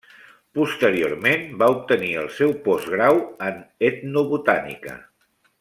Posteriorment, va obtenir el seu postgrau en etnobotànica.